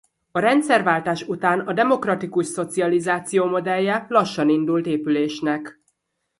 A rendszerváltás után a demokratikus szocializáció modellje lassan indult épülésnek.